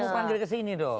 tunggu pandangnya kesini dong